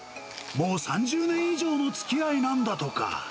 もう３０年以上のつきあいなんだとか。